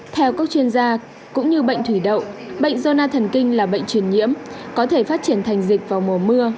theo các chuyên gia cũng như bệnh thủy đậu bệnh dona thần kinh là bệnh truyền nhiễm có thể phát triển thành dịch vào mùa mưa